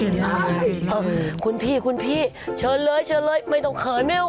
เออคุณพี่เชิญเลยไม่ต้องเขิน